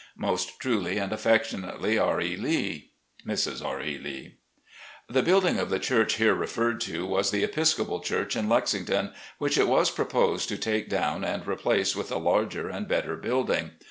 "Most truly and affectionately, "R. E. Leb. "Mrs. R. E. Lee." The building of the church here referred to was the Episcopal church in Lexington, which it was proposed to take down and replace with a larger and better build ing.